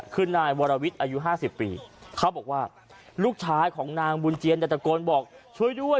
เขาบอกว่าลูกชายของนางบุญเจียนแดดสะโกนบอกช่วยด้วย